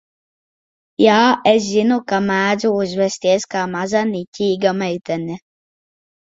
Jā, es zinu, ka mēdzu uzvesties kā maza, niķīga meitene.